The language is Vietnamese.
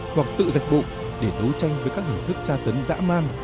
hoặc tự giạch bụng để đấu tranh với các hình thức tra tấn dã man